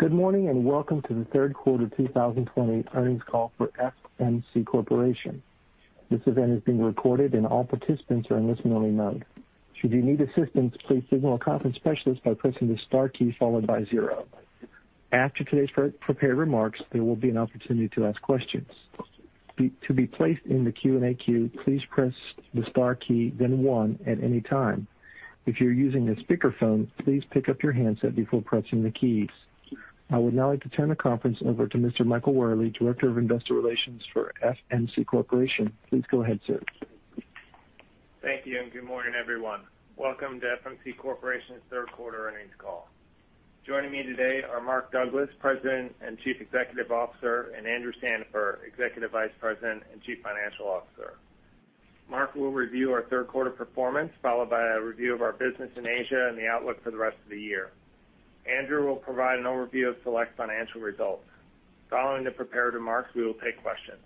Good morning, and welcome to the third quarter 2020 earnings call for FMC Corporation. This event is being recorded and all participants are in listen-only mode. If you need assistance, please signal a conference specialist by pressing the star key followed by zero. After today's prepared remarks, there will be an opportunity to ask questions. To be placed in the Q&A queue, please press the star key then one at any time. If you're using a speakerphone, please pick up your handset before pressing the keys. I would now like to turn the conference over to Mr. Michael Wherley, Director of Investor Relations for FMC Corporation. Please go ahead, sir. Thank you. Good morning, everyone. Welcome to FMC Corporation's third quarter earnings call. Joining me today are Mark Douglas, President and Chief Executive Officer, and Andrew Sandifer, Executive Vice President and Chief Financial Officer. Mark will review our third quarter performance, followed by a review of our business in Asia and the outlook for the rest of the year. Andrew will provide an overview of select financial results. Following the prepared remarks, we will take questions.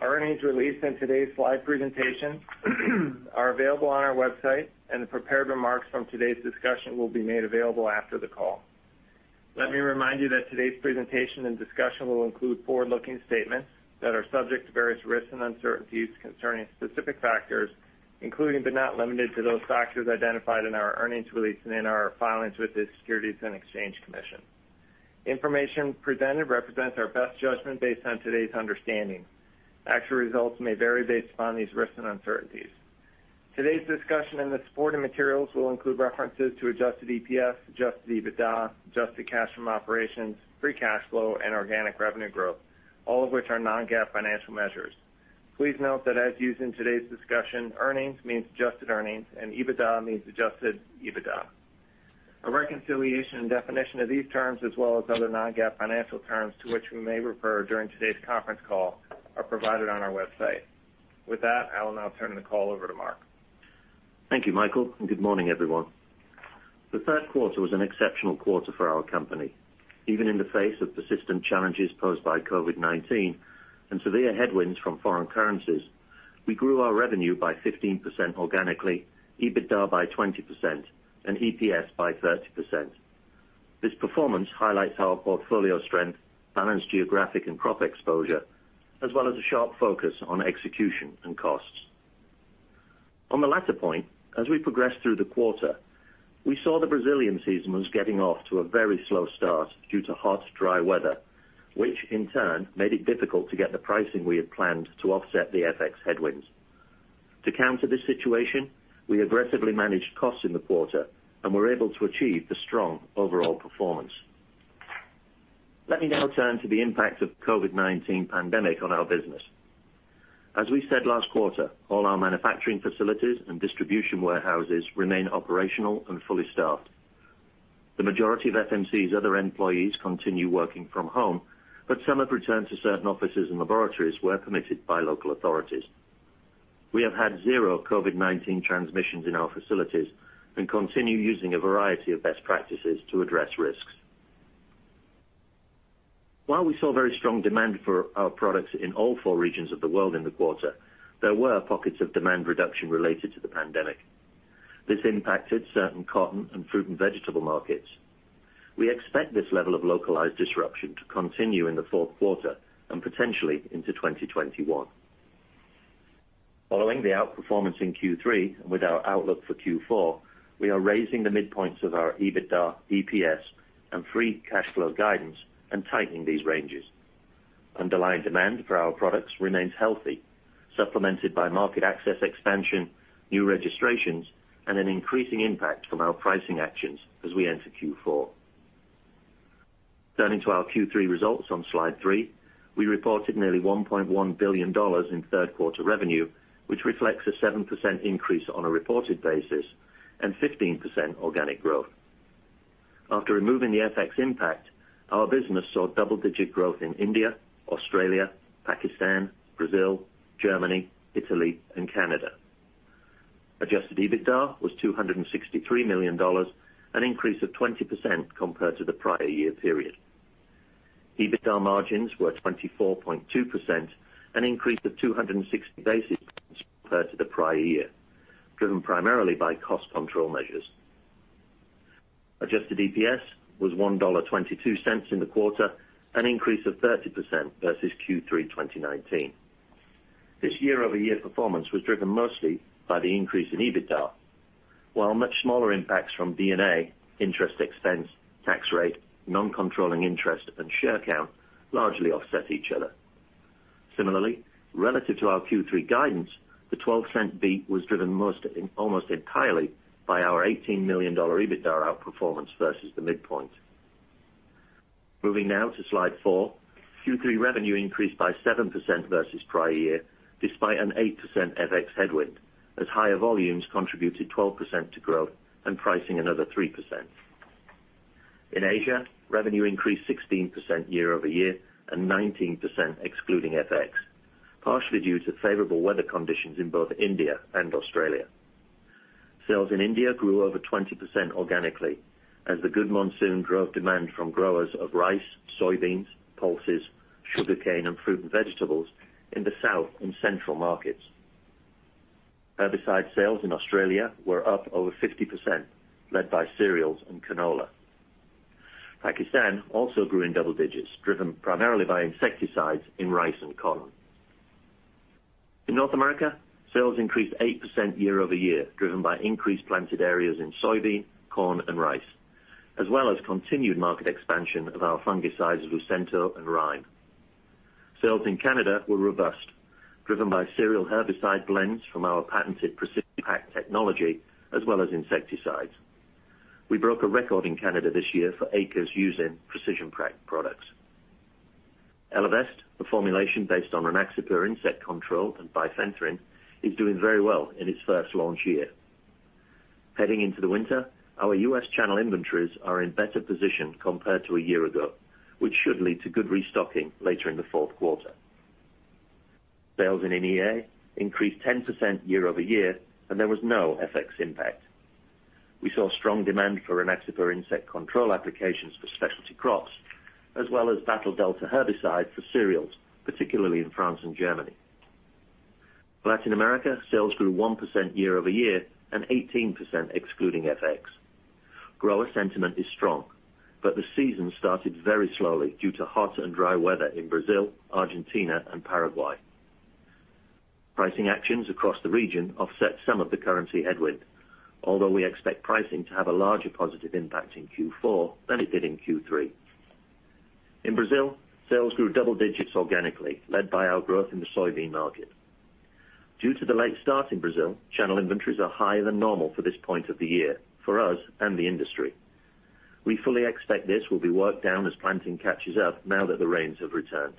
Our earnings release and today's slide presentation are available on our website. The prepared remarks from today's discussion will be made available after the call. Let me remind you that today's presentation and discussion will include forward-looking statements that are subject to various risks and uncertainties concerning specific factors, including but not limited to those factors identified in our earnings release and in our filings with the Securities and Exchange Commission. Information presented represents our best judgment based on today's understanding. Actual results may vary based upon these risks and uncertainties. Today's discussion and the supporting materials will include references to adjusted EPS, adjusted EBITDA, adjusted cash from operations, free cash flow, and organic revenue growth, all of which are non-GAAP financial measures. Please note that as used in today's discussion, earnings means adjusted earnings and EBITDA means adjusted EBITDA. A reconciliation and definition of these terms, as well as other non-GAAP financial terms to which we may refer during today's conference call, are provided on our website. With that, I will now turn the call over to Mark. Thank you, Michael, and good morning, everyone. The third quarter was an exceptional quarter for our company. Even in the face of persistent challenges posed by COVID-19 and severe headwinds from foreign currencies, we grew our revenue by 15% organically, EBITDA by 20%, and EPS by 30%. This performance highlights our portfolio strength, balanced geographic and crop exposure, as well as a sharp focus on execution and costs. On the latter point, as we progressed through the quarter, we saw the Brazilian season was getting off to a very slow start due to hot, dry weather, which in turn made it difficult to get the pricing we had planned to offset the FX headwinds. To counter this situation, we aggressively managed costs in the quarter and were able to achieve the strong overall performance. Let me now turn to the impact of COVID-19 pandemic on our business. As we said last quarter, all our manufacturing facilities and distribution warehouses remain operational and fully staffed. The majority of FMC's other employees continue working from home, but some have returned to certain offices and laboratories where permitted by local authorities. We have had zero COVID-19 transmissions in our facilities and continue using a variety of best practices to address risks. While we saw very strong demand for our products in all four regions of the world in the quarter, there were pockets of demand reduction related to the pandemic. This impacted certain cotton and fruit and vegetable markets. We expect this level of localized disruption to continue in the fourth quarter and potentially into 2021. Following the outperformance in Q3 and with our outlook for Q4, we are raising the midpoints of our EBITDA, EPS, and free cash flow guidance and tightening these ranges. Underlying demand for our products remains healthy, supplemented by market access expansion, new registrations, and an increasing impact from our pricing actions as we enter Q4. Turning to our Q3 results on slide three, we reported nearly $1.1 billion in third-quarter revenue, which reflects a 7% increase on a reported basis and 15% organic growth. After removing the FX impact, our business saw double-digit growth in India, Australia, Pakistan, Brazil, Germany, Italy, and Canada. Adjusted EBITDA was $263 million, an increase of 20% compared to the prior year period. EBITDA margins were 24.2%, an increase of 260 basis points compared to the prior year, driven primarily by cost control measures. Adjusted EPS was $1.22 in the quarter, an increase of 30% versus Q3 2019. This year-over-year performance was driven mostly by the increase in EBITDA, while much smaller impacts from D&A, interest expense, tax rate, non-controlling interest, and share count largely offset each other. Similarly, relative to our Q3 guidance, the $0.12 beat was driven almost entirely by our $18 million EBITDA outperformance versus the midpoint. Moving now to slide four. Q3 revenue increased by 7% versus prior year, despite an 8% FX headwind, as higher volumes contributed 12% to growth and pricing another 3%. In Asia, revenue increased 16% year-over-year and 19% excluding FX, partially due to favorable weather conditions in both India and Australia. Sales in India grew over 20% organically as the good monsoon drove demand from growers of rice, soybeans, pulses, sugarcane, and fruit and vegetables in the south and central markets. Herbicide sales in Australia were up over 50%, led by cereals and canola. Pakistan also grew in double digits, driven primarily by insecticides in rice and corn. In North America, sales increased 8% year-over-year, driven by increased planted areas in soybean, corn and rice, as well as continued market expansion of our fungicides, Lucento and Rhyme. Sales in Canada were robust, driven by cereal herbicide blends from our patented PrecisionPac technology, as well as insecticides. We broke a record in Canada this year for acres using PrecisionPac products. Elevest, a formulation based on Rynaxypyr insect control and bifenthrin, is doing very well in its first launch year. Heading into the winter, our U.S. channel inventories are in better position compared to a year ago, which should lead to good restocking later in the fourth quarter. Sales in EMEA increased 10% year-over-year. There was no FX impact. We saw strong demand for Rynaxypyr insect control applications for specialty crops, as well as Battle Delta herbicide for cereals, particularly in France and Germany. Latin America sales grew 1% year-over-year and 18% excluding FX. Grower sentiment is strong, but the season started very slowly due to hot and dry weather in Brazil, Argentina and Paraguay. Pricing actions across the region offset some of the currency headwind, although we expect pricing to have a larger positive impact in Q4 than it did in Q3. In Brazil, sales grew double digits organically, led by our growth in the soybean market. Due to the late start in Brazil, channel inventories are higher than normal for this point of the year for us and the industry. We fully expect this will be worked down as planting catches up now that the rains have returned.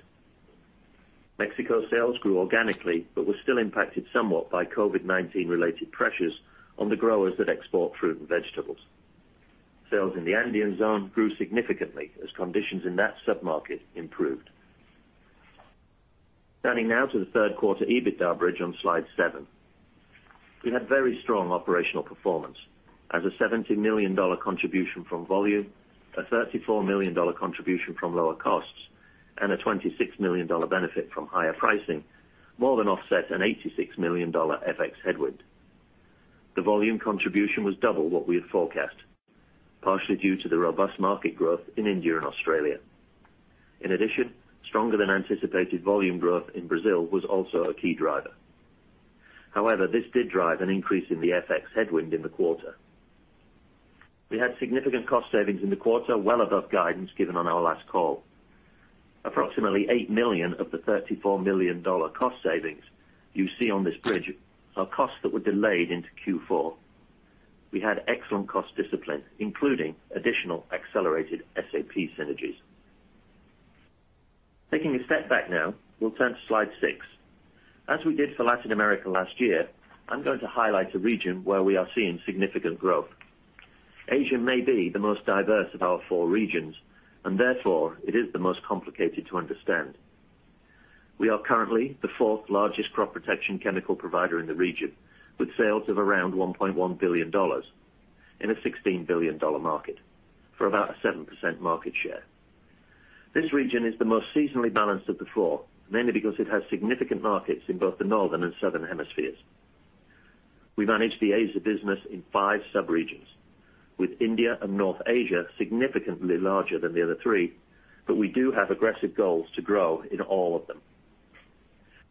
Mexico sales grew organically but were still impacted somewhat by COVID-19 related pressures on the growers that export fruit and vegetables. Sales in the Andean zone grew significantly as conditions in that sub-market improved. Turning now to the third quarter EBITDA bridge on slide seven. We had very strong operational performance, as a $70 million contribution from volume, a $34 million contribution from lower costs, and a $26 million benefit from higher pricing, more than offset an $86 million FX headwind. The volume contribution was double what we had forecast, partially due to the robust market growth in India and Australia. In addition, stronger than anticipated volume growth in Brazil was also a key driver. However, this did drive an increase in the FX headwind in the quarter. We had significant cost savings in the quarter, well above guidance given on our last call. Approximately $8 million of the $34 million cost savings you see on this bridge are costs that were delayed into Q4. We had excellent cost discipline, including additional accelerated SAP synergies. Taking a step back now, we'll turn to slide six. As we did for Latin America last year, I'm going to highlight a region where we are seeing significant growth. Asia may be the most diverse of our four regions, and therefore it is the most complicated to understand. We are currently the fourth largest crop protection chemical provider in the region, with sales of around $1.1 billion in a $16 billion market for about a 7% market share. This region is the most seasonally balanced of the four, mainly because it has significant markets in both the northern and southern hemispheres. We manage the Asia business in five subregions, with India and North Asia significantly larger than the other three, but we do have aggressive goals to grow in all of them.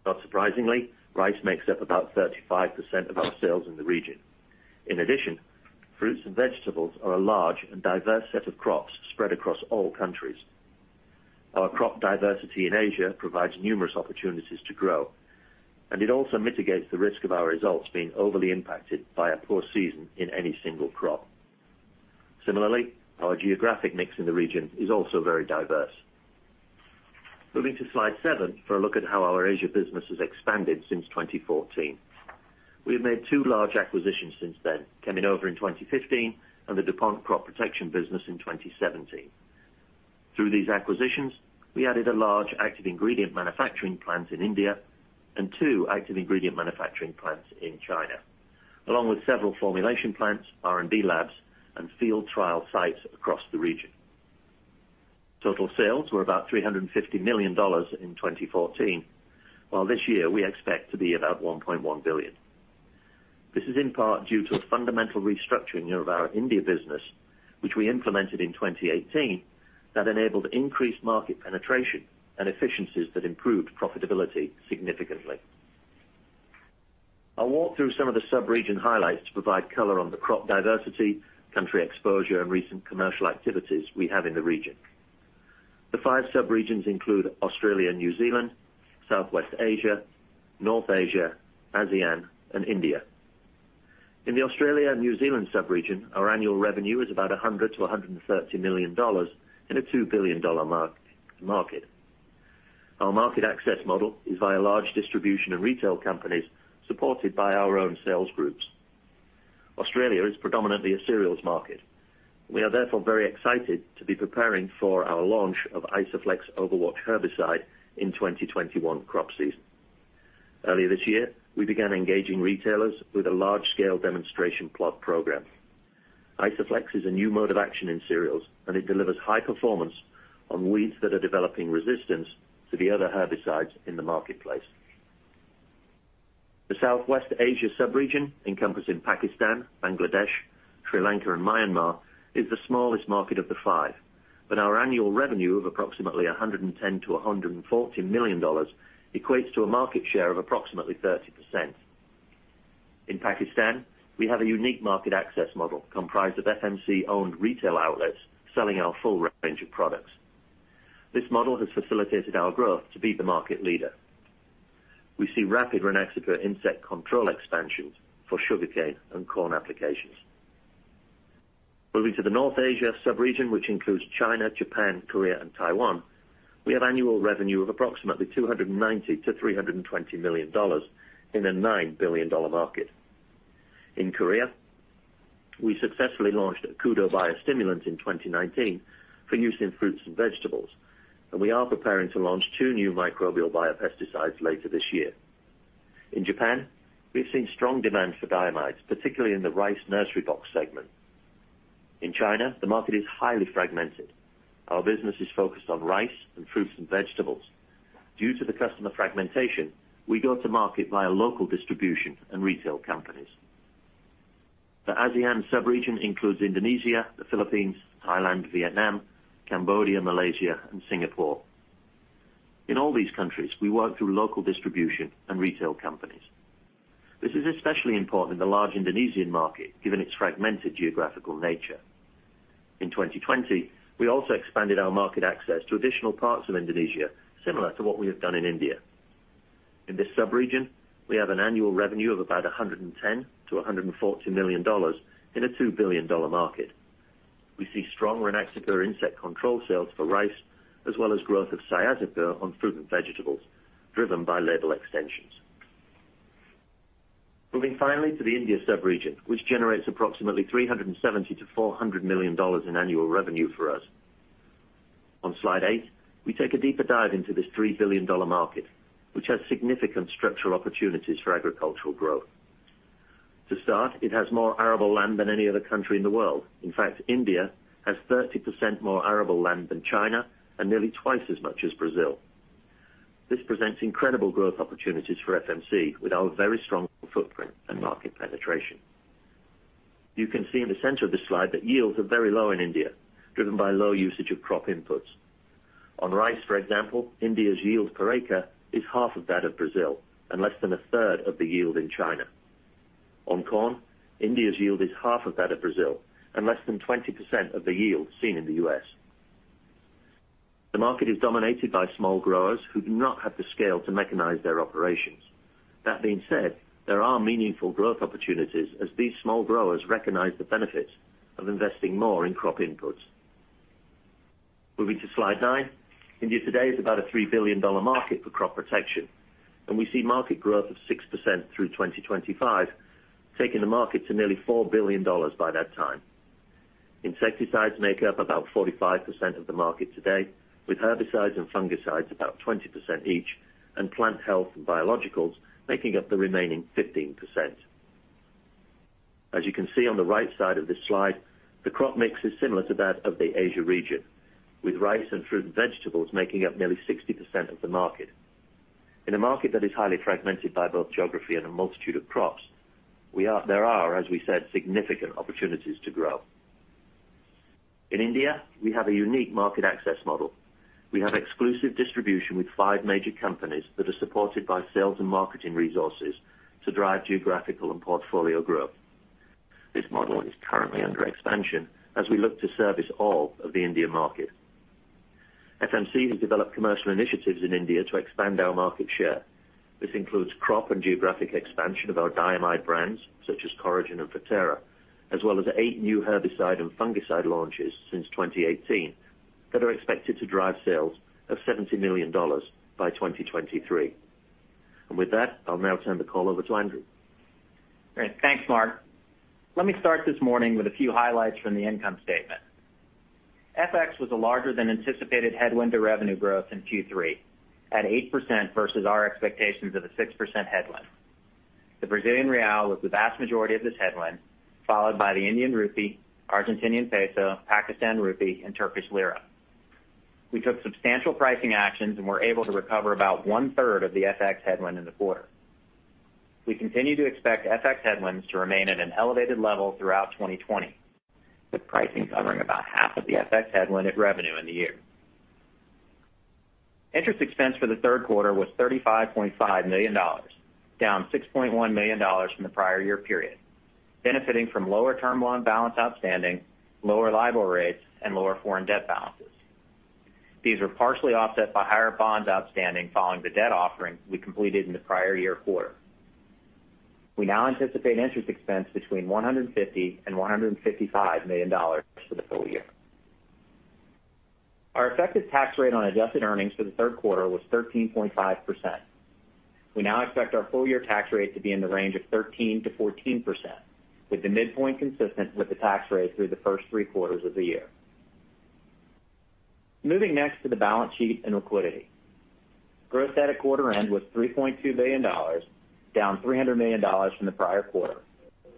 Not surprisingly, rice makes up about 35% of our sales in the region. In addition, fruits and vegetables are a large and diverse set of crops spread across all countries. Our crop diversity in Asia provides numerous opportunities to grow, and it also mitigates the risk of our results being overly impacted by a poor season in any single crop. Similarly, our geographic mix in the region is also very diverse. Moving to slide seven for a look at how our Asia business has expanded since 2014. We have made two large acquisitions since then, Cheminova in 2015 and the DuPont crop protection business in 2017. Through these acquisitions, we added a large active ingredient manufacturing plant in India and two active ingredient manufacturing plants in China, along with several formulation plants, R&D labs and field trial sites across the region. Total sales were about $350 million in 2014, while this year we expect to be about $1.1 billion. This is in part due to a fundamental restructuring of our India business, which we implemented in 2018, that enabled increased market penetration and efficiencies that improved profitability significantly. I'll walk through some of the subregion highlights to provide color on the crop diversity, country exposure and recent commercial activities we have in the region. The five subregions include Australia and New Zealand, Southwest Asia, North Asia, ASEAN and India. In the Australia and New Zealand subregion, our annual revenue is about $100 million-$130 million in a $2 billion market. Our market access model is via large distribution and retail companies supported by our own sales groups. Australia is predominantly a cereals market. We are therefore very excited to be preparing for our launch of Isoflex Overwatch herbicide in 2021 crop season. Earlier this year, we began engaging retailers with a large-scale demonstration plot program. Isoflex is a new mode of action in cereals, and it delivers high performance on weeds that are developing resistance to the other herbicides in the marketplace. The Southwest Asia sub-region, encompassing Pakistan, Bangladesh, Sri Lanka, and Myanmar, is the smallest market of the five. Our annual revenue of approximately $110 million to $140 million equates to a market share of approximately 30%. In Pakistan, we have a unique market access model comprised of FMC-owned retail outlets selling our full range of products. This model has facilitated our growth to be the market leader. We see rapid Rynaxypyr insect control expansions for sugarcane and corn applications. Moving to the North Asia sub-region, which includes China, Japan, Korea, and Taiwan, we have annual revenue of approximately $290 million-$320 million in a $9 billion market. In Korea, we successfully launched Accudo biostimulant in 2019 for use in fruits and vegetables, and we are preparing to launch two new microbial biopesticides later this year. In Japan, we've seen strong demand for diamides, particularly in the rice nursery box segment. In China, the market is highly fragmented. Our business is focused on rice and fruits and vegetables. Due to the customer fragmentation, we go to market via local distribution and retail companies. The ASEAN sub-region includes Indonesia, the Philippines, Thailand, Vietnam, Cambodia, Malaysia, and Singapore. In all these countries, we work through local distribution and retail companies. This is especially important in the large Indonesian market, given its fragmented geographical nature. In 2020, we also expanded our market access to additional parts of Indonesia, similar to what we have done in India. In this sub-region, we have an annual revenue of about $110 million-$140 million in a $2 billion market. We see strong Rynaxypyr insect control sales for rice, as well as growth of Cyazypyr on fruit and vegetables, driven by label extensions. Moving finally to the India sub-region, which generates approximately $370 million-$400 million in annual revenue for us. On slide eight, we take a deeper dive into this $3 billion market, which has significant structural opportunities for agricultural growth. To start, it has more arable land than any other country in the world. In fact, India has 30% more arable land than China and nearly twice as much as Brazil. This presents incredible growth opportunities for FMC with our very strong footprint and market penetration. You can see in the center of this slide that yields are very low in India, driven by low usage of crop inputs. On rice, for example, India's yield per acre is half of that of Brazil and less than a third of the yield in China. On corn, India's yield is half of that of Brazil and less than 20% of the yield seen in the U.S. The market is dominated by small growers who do not have the scale to mechanize their operations. That being said, there are meaningful growth opportunities as these small growers recognize the benefits of investing more in crop inputs. Moving to slide nine. India today is about a $3 billion market for crop protection. We see market growth of 6% through 2025, taking the market to nearly $4 billion by that time. Insecticides make up about 45% of the market today, with herbicides and fungicides about 20% each, and plant health and biologicals making up the remaining 15%. As you can see on the right side of this slide, the crop mix is similar to that of the Asia region, with rice and fruit and vegetables making up nearly 60% of the market. In a market that is highly fragmented by both geography and a multitude of crops, there are, as we said, significant opportunities to grow. In India, we have a unique market access model. We have exclusive distribution with five major companies that are supported by sales and marketing resources to drive geographical and portfolio growth. This model is currently under expansion as we look to service all of the Indian market. FMC has developed commercial initiatives in India to expand our market share. This includes crop and geographic expansion of our diamide brands, such as Coragen and Ferterra, as well as eight new herbicide and fungicide launches since 2018 that are expected to drive sales of $70 million by 2023. With that, I'll now turn the call over to Andrew Sandifer. Great. Thanks, Mark. Let me start this morning with a few highlights from the income statement. FX was a larger than anticipated headwind to revenue growth in Q3, at 8% versus our expectations of a 6% headwind. The Brazilian real was the vast majority of this headwind, followed by the Indian rupee, Argentinian peso, Pakistan rupee, and Turkish lira. We took substantial pricing actions and were able to recover about 1/3 of the FX headwind in the quarter. We continue to expect FX headwinds to remain at an elevated level throughout 2020, with pricing covering about half of the FX headwind at revenue in the year. Interest expense for the third quarter was $35.5 million, down $6.1 million from the prior year period, benefiting from lower term loan balance outstanding, lower LIBOR rates, and lower foreign debt balances. These were partially offset by higher bonds outstanding following the debt offering we completed in the prior year quarter. We now anticipate interest expense between $150 million and $155 million for the full year. Our effective tax rate on adjusted earnings for the third quarter was 13.5%. We now expect our full-year tax rate to be in the range of 13%-14%, with the midpoint consistent with the tax rate through the first three quarters of the year. Moving next to the balance sheet and liquidity. Gross debt at quarter end was $3.2 billion, down $300 million from the prior quarter,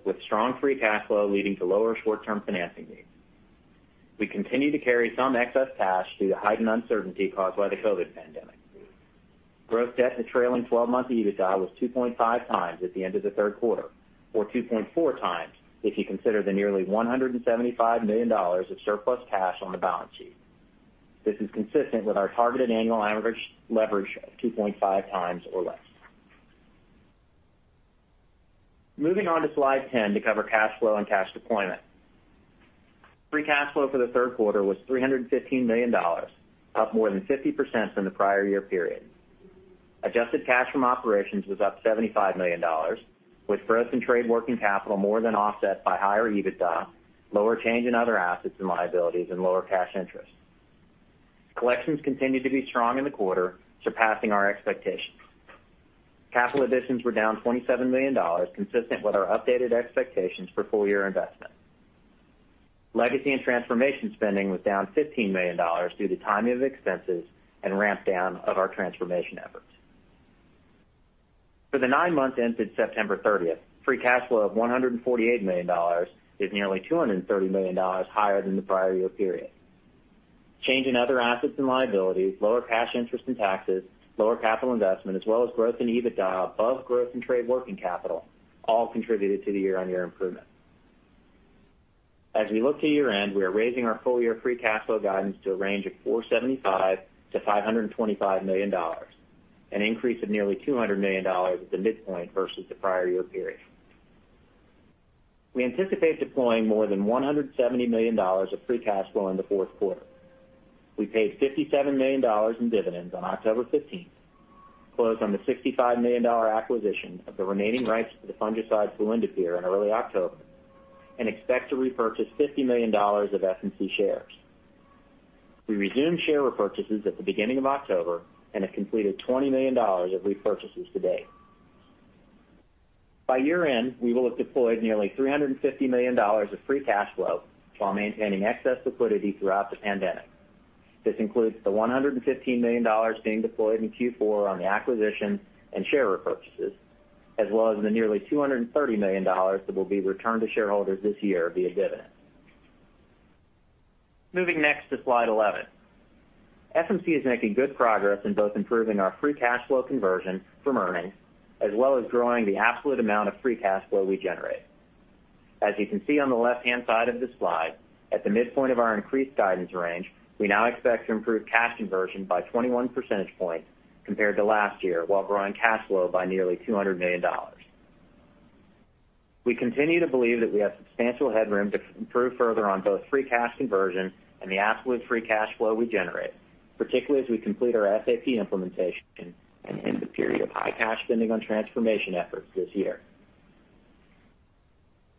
with strong free cash flow leading to lower short-term financing needs. We continue to carry some excess cash due to heightened uncertainty caused by the COVID-19 pandemic. Gross debt to trailing 12-month EBITDA was 2.5x at the end of the third quarter, or 2.4x if you consider the nearly $175 million of surplus cash on the balance sheet. This is consistent with our targeted annual average leverage of 2.5x or less. Moving on to slide 10 to cover cash flow and cash deployment. Free cash flow for the third quarter was $315 million, up more than 50% from the prior year period. Adjusted cash from operations was up $75 million, with gross and trade working capital more than offset by higher EBITDA, lower change in other assets and liabilities, and lower cash interest. Collections continued to be strong in the quarter, surpassing our expectations. Capital additions were down $27 million, consistent with our updated expectations for full-year investment. Legacy and transformation spending was down $15 million due to timing of expenses and ramp down of our transformation efforts. For the nine months ended September 30th, free cash flow of $148 million is nearly $230 million higher than the prior year period. Change in other assets and liabilities, lower cash interest and taxes, lower capital investment, as well as growth in EBITDA above growth in trade working capital all contributed to the year-on-year improvement. As we look to year-end, we are raising our full-year free cash flow guidance to a range of $475 million-$525 million, an increase of nearly $200 million at the midpoint versus the prior year period. We anticipate deploying more than $170 million of free cash flow in the fourth quarter. We paid $57 million in dividends on October 15th, closed on the $65 million acquisition of the remaining rights to the fungicide fluindapyr in early October, and expect to repurchase $50 million of FMC shares. We resumed share repurchases at the beginning of October and have completed $20 million of repurchases to date. By year-end, we will have deployed nearly $350 million of free cash flow while maintaining excess liquidity throughout the pandemic. This includes the $115 million being deployed in Q4 on the acquisition and share repurchases, as well as the nearly $230 million that will be returned to shareholders this year via dividends. Moving next to slide 11. FMC is making good progress in both improving our free cash flow conversion from earnings, as well as growing the absolute amount of free cash flow we generate. As you can see on the left-hand side of the slide, at the midpoint of our increased guidance range, we now expect to improve cash conversion by 21 percentage points compared to last year, while growing cash flow by nearly $200 million. We continue to believe that we have substantial headroom to improve further on both free cash conversion and the absolute free cash flow we generate, particularly as we complete our SAP implementation and end the period of high cash spending on transformation efforts this year.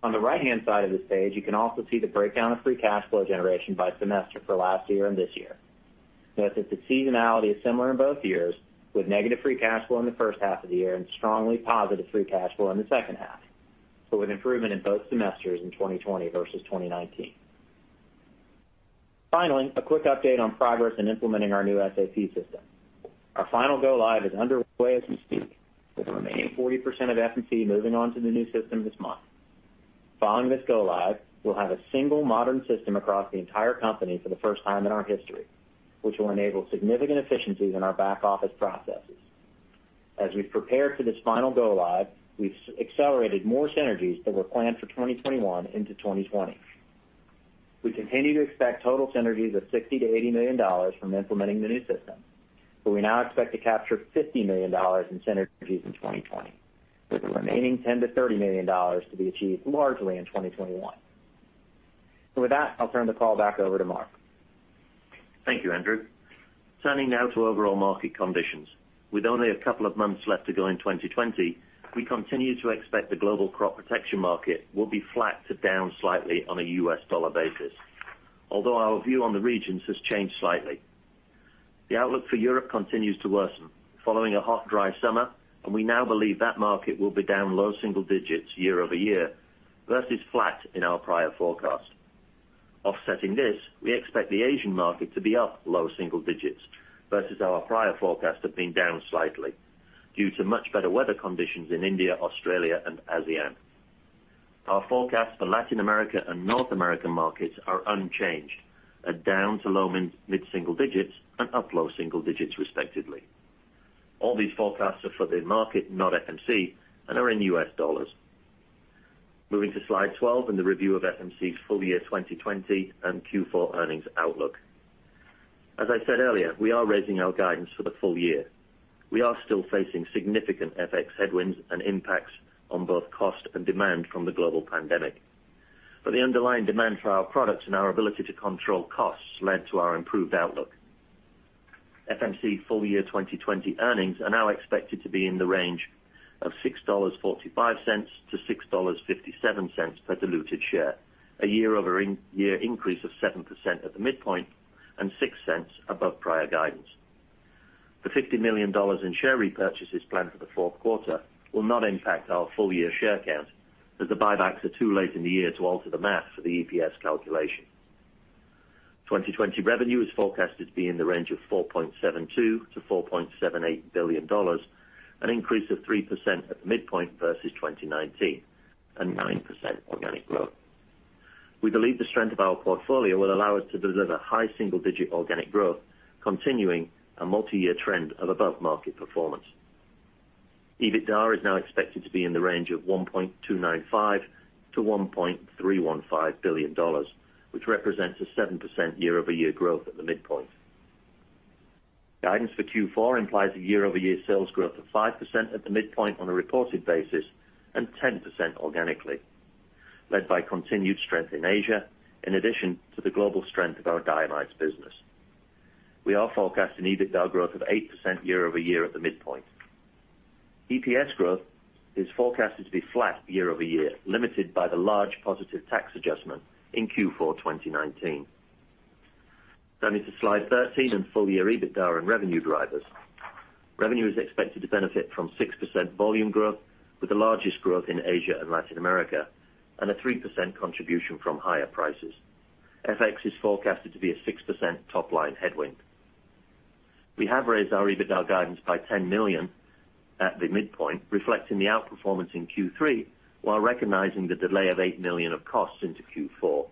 On the right-hand side of the page, you can also see the breakdown of free cash flow generation by semester for last year and this year. Note that the seasonality is similar in both years, with negative free cash flow in the first half of the year and strongly positive free cash flow in the second half, but with improvement in both semesters in 2020 versus 2019. Finally, a quick update on progress in implementing our new SAP system. Our final go-live is underway as we speak, with the remaining 40% of FMC moving onto the new system this month. Following this go-live, we'll have a single modern system across the entire company for the first time in our history, which will enable significant efficiencies in our back-office processes. As we prepare for this final go-live, we've accelerated more synergies that were planned for 2021 into 2020. We continue to expect total synergies of $60 million-$80 million from implementing the new system, but we now expect to capture $50 million in synergies in 2020, with the remaining $10 million-$30 million to be achieved largely in 2021. With that, I'll turn the call back over to Mark. Thank you, Andrew. Turning now to overall market conditions. With only a couple of months left to go in 2020, we continue to expect the global crop protection market will be flat to down slightly on a U.S. dollar basis, although our view on the regions has changed slightly. The outlook for Europe continues to worsen following a hot, dry summer, and we now believe that market will be down low single digits year-over-year, versus flat in our prior forecast. Offsetting this, we expect the Asian market to be up low single digits versus our prior forecast of being down slightly due to much better weather conditions in India, Australia, and ASEAN. Our forecast for Latin America and North American markets are unchanged at down to low mid-single digits and up low single digits respectively. All these forecasts are for the market, not FMC, and are in US dollars. Moving to slide 12 and the review of FMC's full-year 2020 and Q4 earnings outlook. As I said earlier, we are raising our guidance for the full year. We are still facing significant FX headwinds and impacts on both cost and demand from the global pandemic, but the underlying demand for our products and our ability to control costs led to our improved outlook. FMC full-year 2020 earnings are now expected to be in the range of $6.45-$6.57 per diluted share, a year-over-year increase of 7% at the midpoint and $0.06 above prior guidance. The $50 million in share repurchases planned for the fourth quarter will not impact our full-year share count, as the buybacks are too late in the year to alter the math for the EPS calculation. 2020 revenue is forecasted to be in the range of $4.72 billion-$4.78 billion, an increase of 3% at the midpoint versus 2019, and 9% organic growth. We believe the strength of our portfolio will allow us to deliver high single-digit organic growth, continuing a multi-year trend of above-market performance. EBITDA is now expected to be in the range of $1.295 billion-$1.315 billion, which represents a 7% year-over-year growth at the midpoint. Guidance for Q4 implies a year-over-year sales growth of 5% at the midpoint on a reported basis and 10% organically, led by continued strength in Asia in addition to the global strength of our diamides business. We are forecasting EBITDA growth of 8% year-over-year at the midpoint. EPS growth is forecasted to be flat year-over-year, limited by the large positive tax adjustment in Q4 2019. Down into slide 13 on full-year EBITDA and revenue drivers. Revenue is expected to benefit from 6% volume growth, with the largest growth in Asia and Latin America, and a 3% contribution from higher prices. FX is forecasted to be a 6% top-line headwind. We have raised our EBITDA guidance by $10 million at the midpoint, reflecting the outperformance in Q3 while recognizing the delay of $8 million of costs into Q4.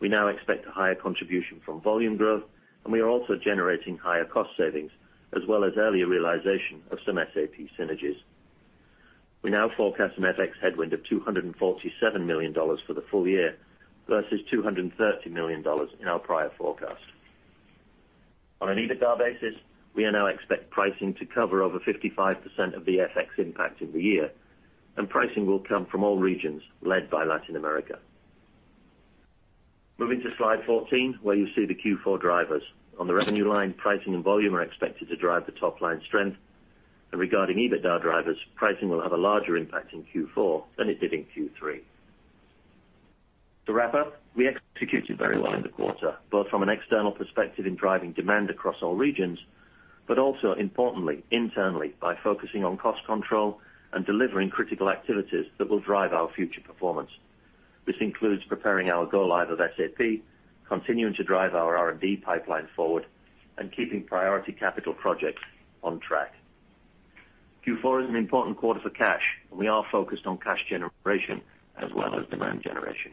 We now expect a higher contribution from volume growth, and we are also generating higher cost savings, as well as earlier realization of some SAP synergies. We now forecast an FX headwind of $247 million for the full year versus $230 million in our prior forecast. On an EBITDA basis, we now expect pricing to cover over 55% of the FX impact in the year, and pricing will come from all regions led by Latin America. Moving to slide 14, where you see the Q4 drivers. On the revenue line, pricing and volume are expected to drive the top-line strength. Regarding EBITDA drivers, pricing will have a larger impact in Q4 than it did in Q3. To wrap up, we executed very well in the quarter, both from an external perspective in driving demand across all regions, but also importantly internally, by focusing on cost control and delivering critical activities that will drive our future performance. This includes preparing our go-live of SAP, continuing to drive our R&D pipeline forward, and keeping priority capital projects on track. Q4 is an important quarter for cash, and we are focused on cash generation as well as demand generation.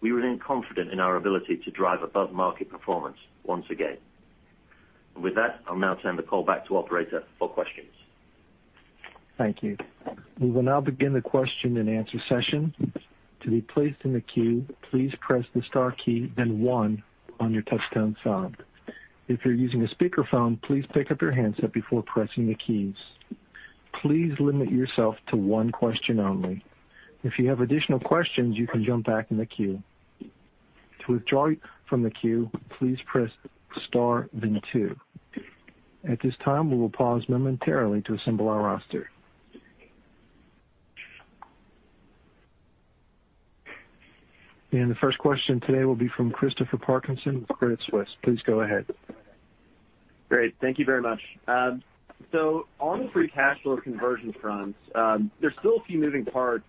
We remain confident in our ability to drive above-market performance once again. With that, I'll now turn the call back to operator for questions. Thank you. We will now begin the question-and-answer session. To be placed in the queue, please press the star key and one on your touchtone phone. If you're using a speakerphone, please pick up your handset before pressing the keys. Please limit yourself to one question only. If you have additional questions, you can jump back in the queue. To withdraw from the queue, please press star then two. At this time, we will pause momentarily to assemble our roster. The first question today will be from Christopher Parkinson with Credit Suisse. Please go ahead. Great. Thank you very much. On the free cash flow conversion front, there's still a few moving parts,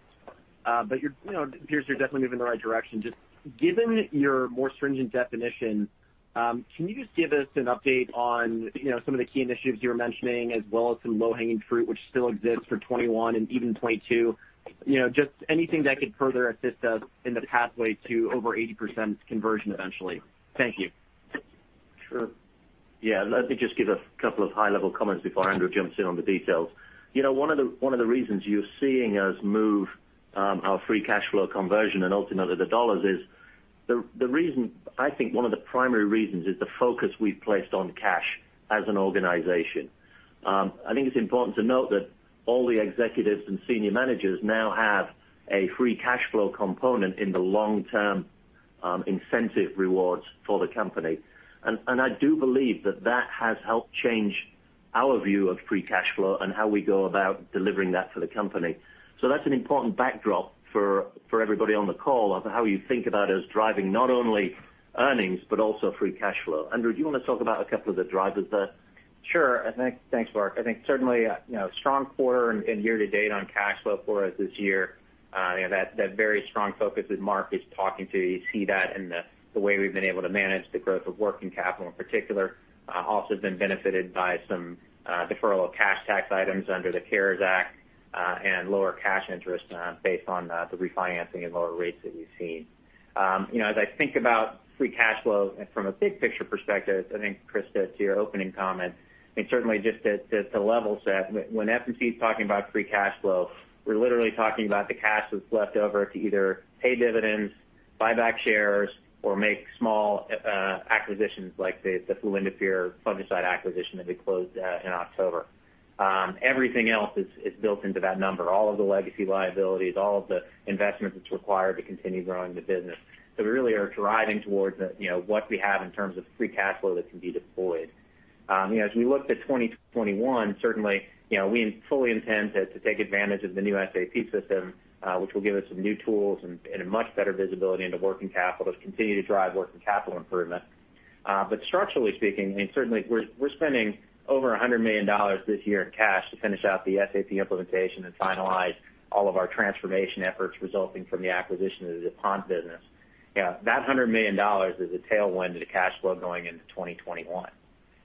but it appears you're definitely moving in the right direction. Given your more stringent definition, can you just give us an update on some of the key initiatives you were mentioning as well as some low-hanging fruit which still exists for 2021 and even 2022? Anything that could further assist us in the pathway to over 80% conversion eventually. Thank you. Sure. Yeah. Let me just give a couple of high-level comments before Andrew jumps in on the details. One of the reasons you're seeing us move our free cash flow conversion and ultimately the dollars is, I think one of the primary reasons is the focus we've placed on cash as an organization. I think it's important to note that all the executives and senior managers now have a free cash flow component in the long-term incentive rewards for the company. I do believe that that has helped change our view of free cash flow and how we go about delivering that for the company. That's an important backdrop for everybody on the call of how you think about us driving not only earnings, but also free cash flow. Andrew, do you want to talk about a couple of the drivers there? Sure. Thanks, Mark. I think certainly a strong quarter and year to date on cash flow for us this year. That very strong focus that Mark is talking to, you see that in the way we've been able to manage the growth of working capital in particular. Also have been benefited by some deferral of cash tax items under the CARES Act, and lower cash interest based on the refinancing and lower rates that we've seen. As I think about free cash flow from a big picture perspective, I think Chris, to your opening comment, I think certainly just to level set, when FMC is talking about free cash flow, we're literally talking about the cash that's left over to either pay dividends, buy back shares, or make small acquisitions like the fluindapyr fungicide acquisition that we closed in October. Everything else is built into that number, all of the legacy liabilities, all of the investment that's required to continue growing the business. We really are driving towards what we have in terms of free cash flow that can be deployed. As we look to 2021, certainly, we fully intend to take advantage of the new SAP system, which will give us some new tools and a much better visibility into working capital to continue to drive working capital improvement. Structurally speaking, and certainly we're spending over $100 million this year in cash to finish out the SAP implementation and finalize all of our transformation efforts resulting from the acquisition of the DuPont business. That $100 million is a tailwind to the cash flow going into 2021.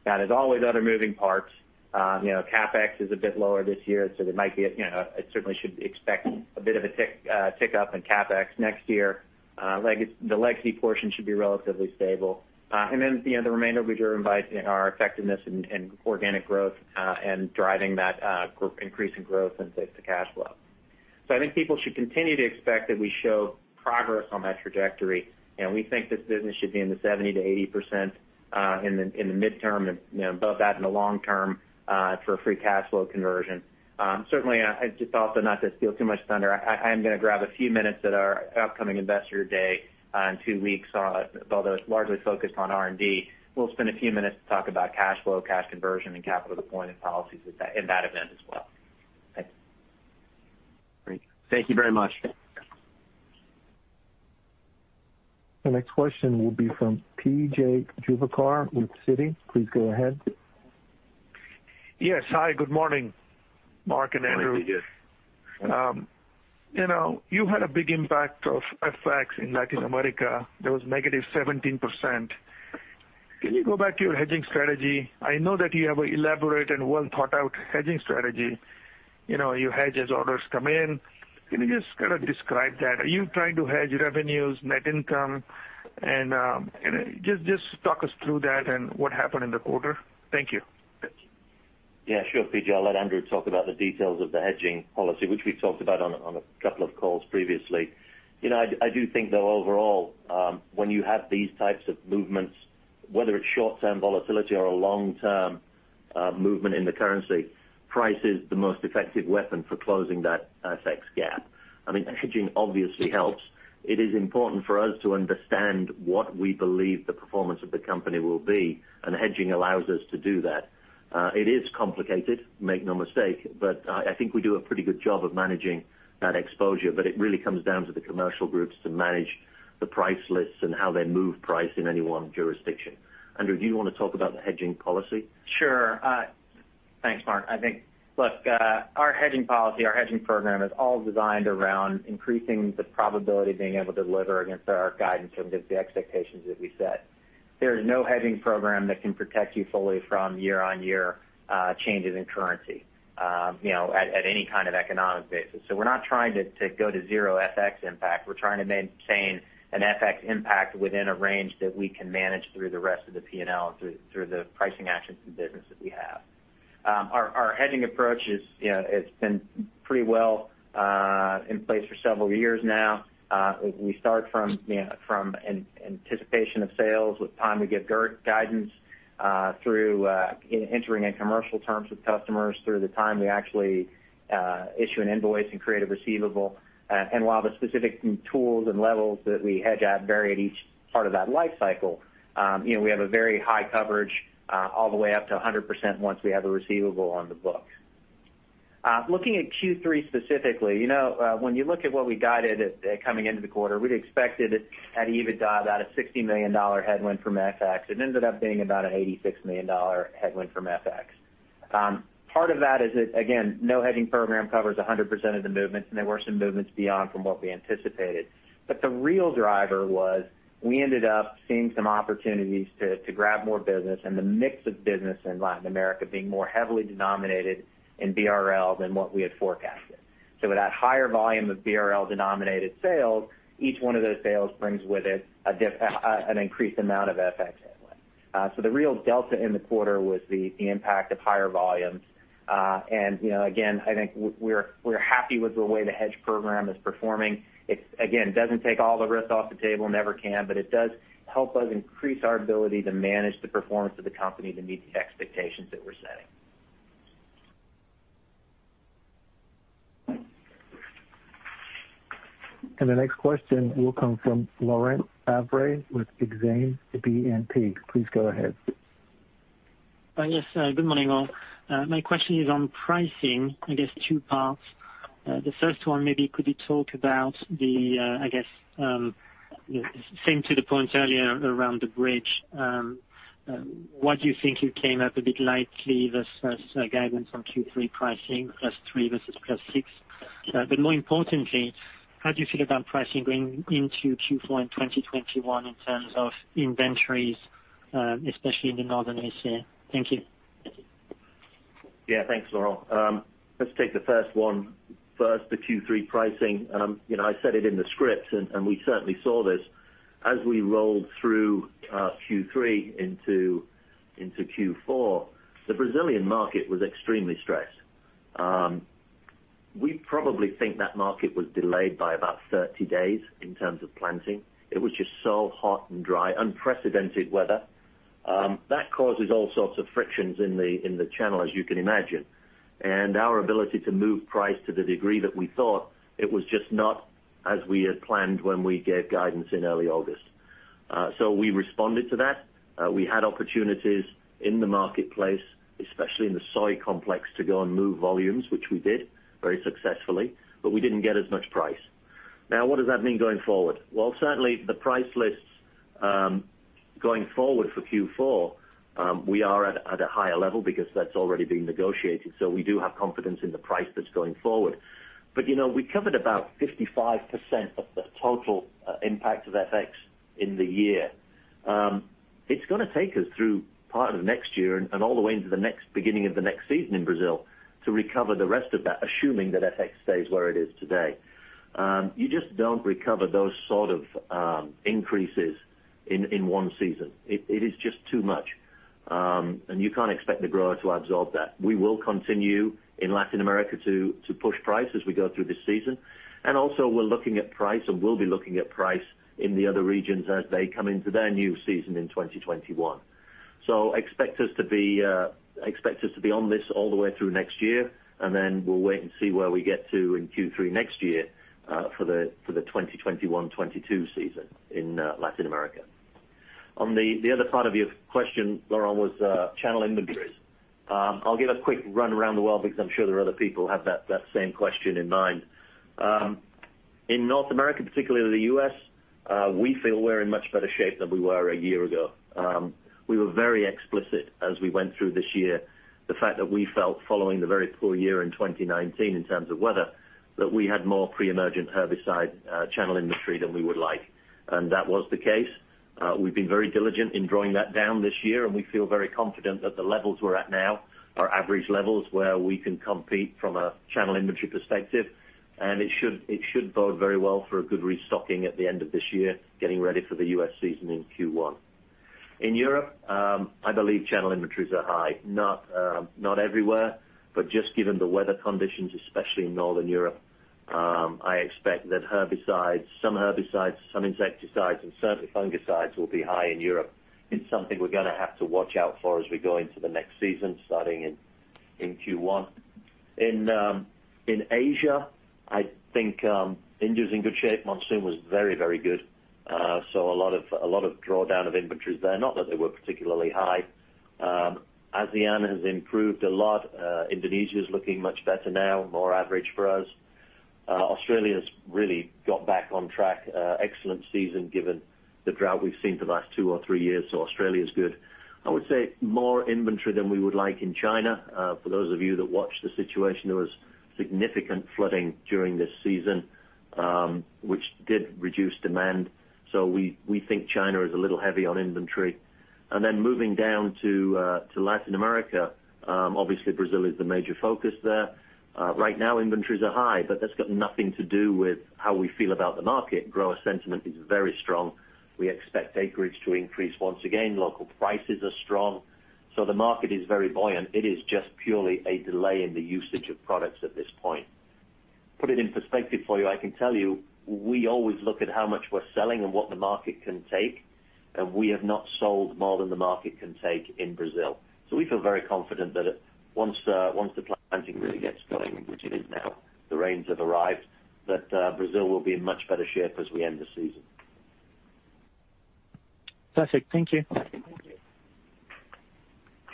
There's always other moving parts. CapEx is a bit lower this year. Certainly should expect a bit of a tick up in CapEx next year. The legacy portion should be relatively stable. The remainder will be driven by our effectiveness in organic growth, and driving that increase in growth into cash flow. I think people should continue to expect that we show progress on that trajectory, and we think this business should be in the 70%-80% in the midterm and above that in the long term, for free cash flow conversion. Certainly, just also not to steal too much thunder, I am going to grab a few minutes at our upcoming Investor Day in two weeks. Although it's largely focused on R&D, we'll spend a few minutes to talk about cash flow, cash conversion, and capital deployment policies at that event as well. Thanks. Great. Thank you very much. The next question will be from PJ Juvekar with Citi. Please go ahead. Yes. Hi, good morning, Mark and Andrew. Good morning, P.J. You had a big impact of FX in Latin America. There was negative 17%. Can you go back to your hedging strategy? I know that you have an elaborate and well-thought-out hedging strategy. You hedge as orders come in. Can you just kind of describe that? Are you trying to hedge revenues, net income? Just talk us through that and what happened in the quarter. Thank you. Sure, PJ. I'll let Andrew talk about the details of the hedging policy, which we talked about on a couple of calls previously. I do think, though, overall, when you have these types of movements, whether it's short-term volatility or a long-term movement in the currency, price is the most effective weapon for closing that FX gap. I mean, hedging obviously helps. It is important for us to understand what we believe the performance of the company will be. Hedging allows us to do that. It is complicated, make no mistake. I think we do a pretty good job of managing that exposure. It really comes down to the commercial groups to manage the price lists and how they move price in any one jurisdiction. Andrew, do you want to talk about the hedging policy? Sure. Thanks, Mark. I think our hedging policy, our hedging program is all designed around increasing the probability of being able to deliver against our guidance and the expectations that we set. There is no hedging program that can protect you fully from year-on-year changes in currency at any kind of economic basis. We're not trying to go to zero FX impact. We're trying to maintain an FX impact within a range that we can manage through the rest of the P&L through the pricing actions and business that we have. Our hedging approach it's been pretty well in place for several years now. We start from anticipation of sales. With time, we give guidance through entering in commercial terms with customers through the time we actually issue an invoice and create a receivable. While the specific tools and levels that we hedge at vary at each part of that life cycle, we have a very high coverage all the way up to 100% once we have a receivable on the books. Looking at Q3 specifically, when you look at what we guided at coming into the quarter, we'd expected at EBITDA about a $60 million headwind from FX. It ended up being about an $86 million headwind from FX. Part of that is that, again, no hedging program covers 100% of the movements, and there were some movements beyond from what we anticipated. The real driver was we ended up seeing some opportunities to grab more business and the mix of business in Latin America being more heavily denominated in BRL than what we had forecasted. With that higher volume of BRL-denominated sales, each one of those sales brings with it an increased amount of FX headwind. The real delta in the quarter was the impact of higher volumes. Again, I think we're happy with the way the hedge program is performing. It, again, doesn't take all the risk off the table, never can, but it does help us increase our ability to manage the performance of the company to meet the expectations that we're setting. The next question will come from Laurent Favre with Exane BNP. Please go ahead. Yes, good morning, all. My question is on pricing. I guess two parts. The first one, maybe could you talk about the same to the point earlier around the bridge. Why do you think you came up a bit lightly versus guidance on Q3 pricing, +3 versus +6? More importantly, how do you feel about pricing going into Q4 in 2021 in terms of inventories, especially in the Northern Hemisphere? Thank you. Thanks, Laurent. Let's take the first one first, the Q3 pricing. I said it in the script, we certainly saw this. As we rolled through Q3 into Q4, the Brazilian market was extremely stressed. We probably think that market was delayed by about 30 days in terms of planting. It was just so hot and dry, unprecedented weather. That causes all sorts of frictions in the channel, as you can imagine. Our ability to move price to the degree that we thought, it was just not as we had planned when we gave guidance in early August. We responded to that. We had opportunities in the marketplace, especially in the soy complex, to go and move volumes, which we did very successfully, but we didn't get as much price. Now, what does that mean going forward? Well, certainly the price lists going forward for Q4, we are at a higher level because that's already been negotiated. We do have confidence in the price that's going forward. We covered about 55% of the total impact of FX in the year. It's going to take us through part of next year and all the way into the beginning of the next season in Brazil to recover the rest of that, assuming that FX stays where it is today. You just don't recover those sort of increases in one season. It is just too much. You can't expect the grower to absorb that. We will continue in Latin America to push price as we go through this season. Also, we're looking at price and will be looking at price in the other regions as they come into their new season in 2021. Expect us to be on this all the way through next year, then we'll wait and see where we get to in Q3 next year for the 2021-2022 season in Latin America. On the other part of your question, Laurent, was channel inventories. I'll give a quick run around the world because I'm sure there are other people who have that same question in mind. In North America, particularly the U.S., we feel we're in much better shape than we were a year ago. We were very explicit as we went through this year, the fact that we felt following the very poor year in 2019 in terms of weather, that we had more pre-emergent herbicide channel inventory than we would like. That was the case. We've been very diligent in drawing that down this year, and we feel very confident that the levels we're at now are average levels where we can compete from a channel inventory perspective. It should bode very well for a good restocking at the end of this year, getting ready for the U.S. season in Q1. In Europe, I believe channel inventories are high. Not everywhere, but just given the weather conditions, especially in Northern Europe, I expect that some herbicides, some insecticides, and certainly fungicides will be high in Europe. It's something we're going to have to watch out for as we go into the next season, starting in Q1. In Asia, I think India's in good shape. Monsoon was very good. A lot of drawdown of inventories there. Not that they were particularly high. ASEAN has improved a lot. Indonesia is looking much better now, more average for us. Australia's really got back on track. Excellent season given the drought we've seen for the last two or three years. Australia's good. I would say more inventory than we would like in China. For those of you that watched the situation, there was significant flooding during this season, which did reduce demand. We think China is a little heavy on inventory. Moving down to Latin America, obviously Brazil is the major focus there. Right now inventories are high, but that's got nothing to do with how we feel about the market. Grower sentiment is very strong. We expect acreage to increase once again. Local prices are strong. The market is very buoyant. It is just purely a delay in the usage of products at this point. Put it in perspective for you, I can tell you, we always look at how much we're selling and what the market can take. We have not sold more than the market can take in Brazil. We feel very confident that once the planting really gets going, which it is now, the rains have arrived, that Brazil will be in much better shape as we end the season. Perfect. Thank you.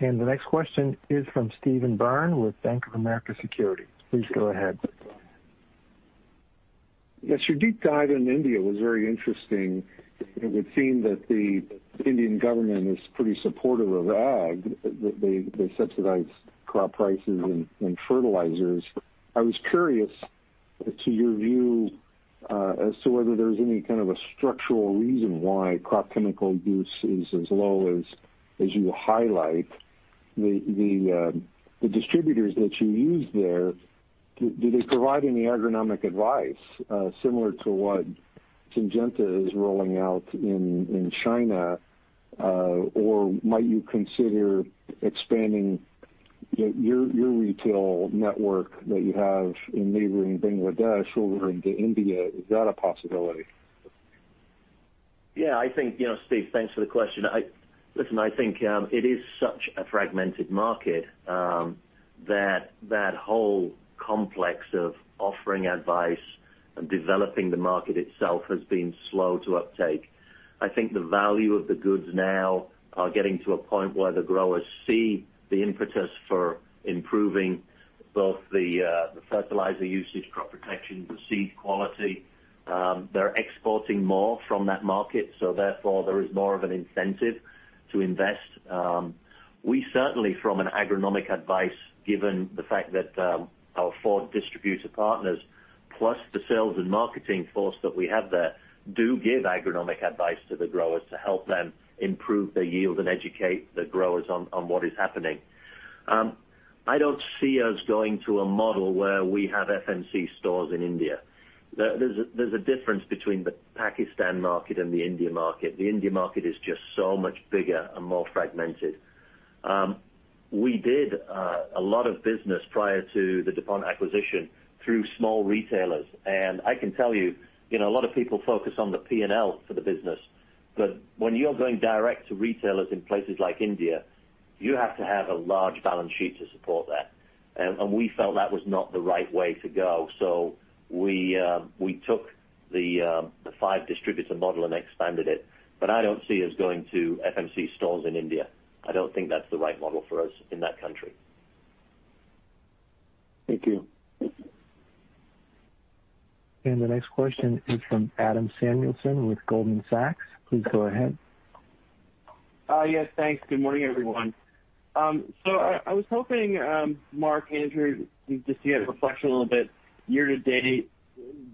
The next question is from Steven Byrne with Bank of America Securities. Please go ahead. Yes, your deep dive in India was very interesting. It would seem that the Indian government is pretty supportive of ag. They subsidize crop prices and fertilizers. I was curious to your view as to whether there's any kind of a structural reason why crop chemical use is as low as you highlight. The distributors that you use there, do they provide any agronomic advice similar to what Syngenta is rolling out in China? Might you consider expanding your retail network that you have in neighboring Bangladesh over into India? Is that a possibility? Steve, thanks for the question. Listen, I think it is such a fragmented market that whole complex of offering advice and developing the market itself has been slow to uptake. I think the value of the goods now are getting to a point where the growers see the impetus for improving both the fertilizer usage, crop protection, the seed quality. They're exporting more from that market, therefore, there is more of an incentive to invest. We certainly, from an agronomic advice, given the fact that our four distributor partners, plus the sales and marketing force that we have there, do give agronomic advice to the growers to help them improve their yield and educate the growers on what is happening. I don't see us going to a model where we have FMC stores in India. There's a difference between the Pakistan market and the India market. The India market is just so much bigger and more fragmented. We did a lot of business prior to the DuPont acquisition through small retailers. I can tell you, a lot of people focus on the P&L for the business. When you're going direct to retailers in places like India, you have to have a large balance sheet to support that. We felt that was not the right way to go. We took the five distributor model and expanded it. I don't see us going to FMC stores in India. I don't think that's the right model for us in that country. Thank you. The next question is from Adam Samuelson with Goldman Sachs. Please go ahead. Yes, thanks. Good morning, everyone. I was hoping, Mark, Andrew, just to get a reflection a little bit year to date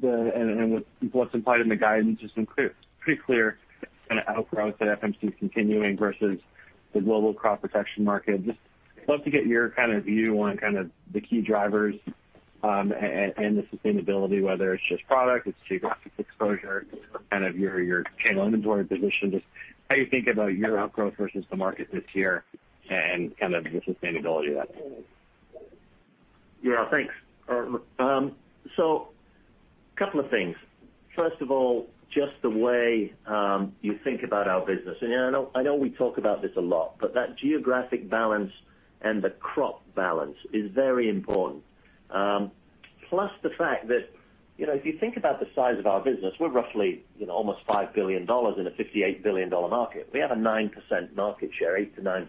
and with what's implied in the guidance, just some pretty clear kind of outgrowth that FMC is continuing versus the global crop protection market. Just love to get your view on the key drivers, and the sustainability, whether it's just product, it's geographic exposure, kind of your channel inventory position, just how you think about your outgrowth versus the market this year and the sustainability of that. Yeah. Thanks. A couple of things. First of all, just the way you think about our business, and I know we talk about this a lot, but that geographic balance and the crop balance is very important. Plus the fact that, if you think about the size of our business, we're roughly almost $5 billion in a $58 billion market. We have a 9% market share, 8%-9%.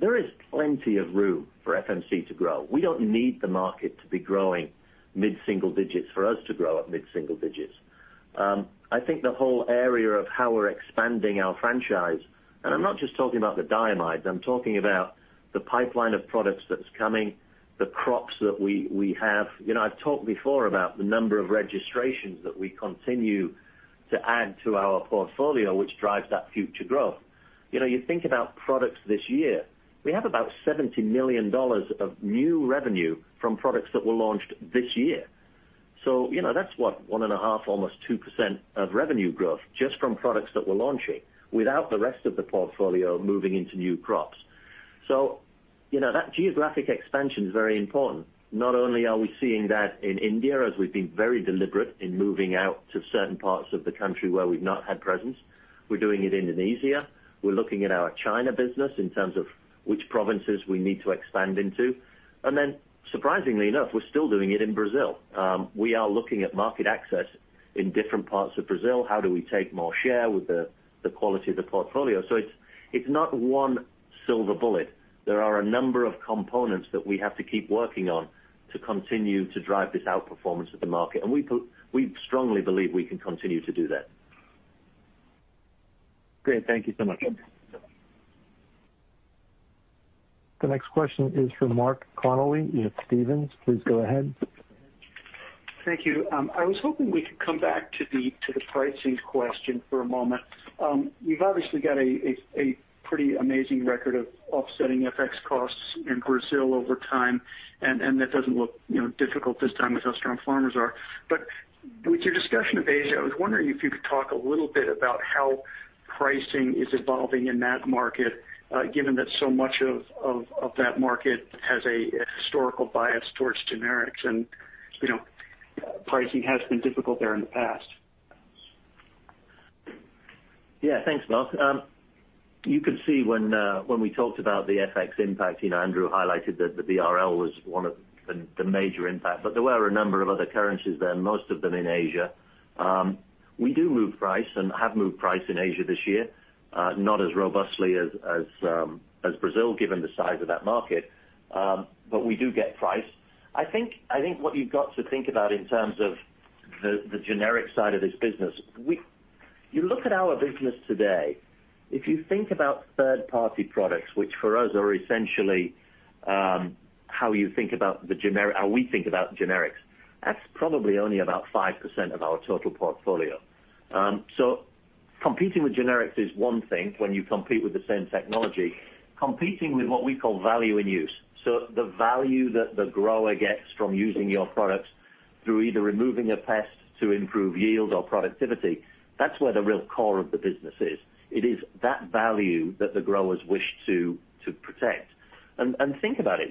There is plenty of room for FMC to grow. We don't need the market to be growing mid-single digits for us to grow at mid-single digits. I think the whole area of how we're expanding our franchise, and I'm not just talking about the diamides, I'm talking about the pipeline of products that's coming, the crops that we have. I've talked before about the number of registrations that we continue to add to our portfolio, which drives that future growth. You think about products this year, we have about $70 million of new revenue from products that were launched this year. That's what, 1.5%, almost 2% of revenue growth just from products that we're launching without the rest of the portfolio moving into new crops. That geographic expansion is very important. Not only are we seeing that in India, as we've been very deliberate in moving out to certain parts of the country where we've not had presence, we're doing it Indonesia. We're looking at our China business in terms of which provinces we need to expand into. Surprisingly enough, we're still doing it in Brazil. We are looking at market access in different parts of Brazil. How do we take more share with the quality of the portfolio? It's not one silver bullet. There are a number of components that we have to keep working on to continue to drive this outperformance of the market, and we strongly believe we can continue to do that. Great. Thank you so much. The next question is from Mark Connelly with Stephens. Please go ahead. Thank you. I was hoping we could come back to the pricing question for a moment. You've obviously got a pretty amazing record of offsetting FX costs in Brazil over time, and that doesn't look difficult this time with how strong farmers are. With your discussion of Asia, I was wondering if you could talk a little bit about how pricing is evolving in that market, given that so much of that market has a historical bias towards generics and pricing has been difficult there in the past. Yeah. Thanks, Mark. You could see when we talked about the FX impact, Andrew highlighted that the BRL was one of the major impacts, but there were a number of other currencies there, most of them in Asia. We do move price and have moved price in Asia this year. Not as robustly as Brazil, given the size of that market. We do get price. I think what you've got to think about in terms of the generic side of this business, you look at our business today, if you think about third-party products, which for us are essentially how we think about generics. That's probably only about 5% of our total portfolio. Competing with generics is one thing when you compete with the same technology. Competing with what we call value in use, so the value that the grower gets from using your products through either removing a pest to improve yield or productivity, that's where the real core of the business is. It is that value that the growers wish to protect. Think about it,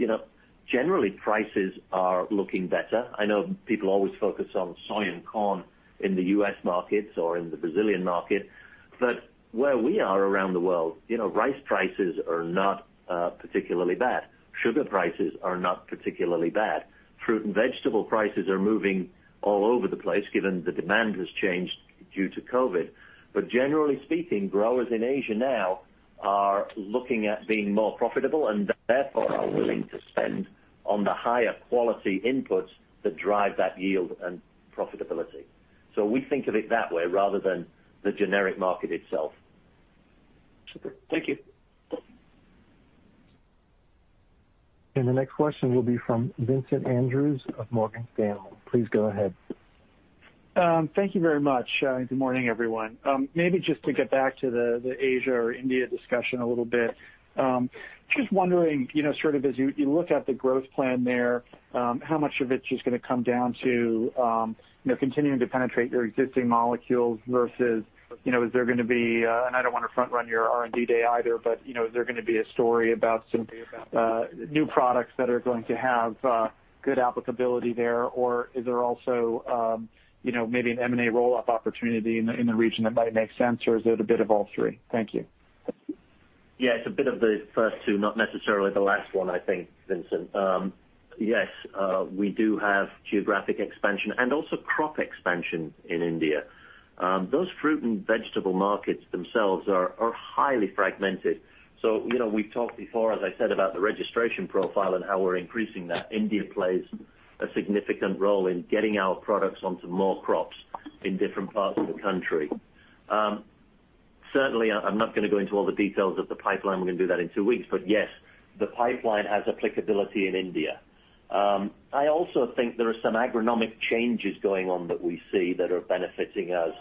generally prices are looking better. I know people always focus on soy and corn in the U.S. markets or in the Brazilian market, but where we are around the world, rice prices are not particularly bad. Sugar prices are not particularly bad. Fruit and vegetable prices are moving all over the place given the demand has changed due to COVID-19. Generally speaking, growers in Asia now are looking at being more profitable and therefore are willing to spend on the higher quality inputs that drive that yield and profitability. We think of it that way rather than the generic market itself. Super. Thank you. The next question will be from Vincent Andrews of Morgan Stanley. Please go ahead. Thank you very much. Good morning, everyone. Maybe just to get back to the Asia or India discussion a little bit. Just wondering, sort of as you look at the growth plan there, how much of it is going to come down to continuing to penetrate your existing molecules versus, is there going to be, and I don't want to front run your R&D day either, but is there going to be a story about some new products that are going to have good applicability there, or is there also maybe an M&A roll-up opportunity in the region that might make sense, or is it a bit of all three? Thank you. Yeah, it's a bit of the first two, not necessarily the last one, I think, Vincent. Yes, we do have geographic expansion and also crop expansion in India. Those fruit and vegetable markets themselves are highly fragmented. We've talked before, as I said, about the registration profile and how we're increasing that. India plays a significant role in getting our products onto more crops in different parts of the country. Certainly, I'm not going to go into all the details of the pipeline. We're going to do that in two weeks. Yes, the pipeline has applicability in India. I also think there are some agronomic changes going on that we see that are benefiting us.